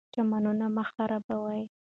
چمنونه مه خرابوئ.